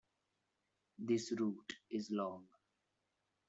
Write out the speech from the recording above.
This route is long.